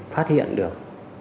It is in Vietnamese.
phát hiện được